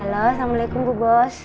halo assalamualaikum bu bos